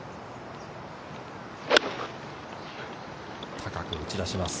高く打ち出します。